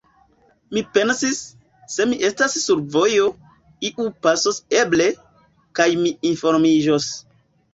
Mi pensis: «Se mi estas sur vojo, iu pasos eble, kaj mi informiĝos. »